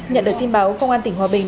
nhận được tin báo công an tỉnh hòa bình